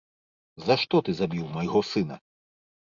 За што ты забіў майго сына?